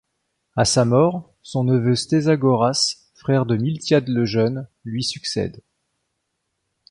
À sa mort, son neveu Stésagoras, frère de Miltiade le Jeune, lui succède.